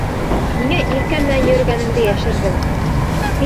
Ниңә Иркә менән йөрөгәнеңде йәшерҙең?